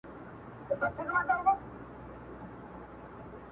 د افغانانو د فاعل کېدو نښه ده